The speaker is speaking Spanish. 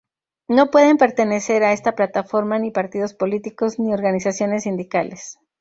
No pueden pertenecer a esta Plataforma ni partidos políticos ni organizaciones sindicales.